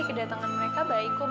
kedatengan mereka baik kok mba